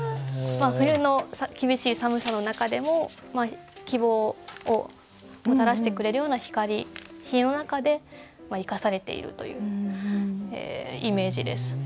冬の厳しい寒さの中でも希望をもたらしてくれるような光陽の中で生かされてるというイメージです。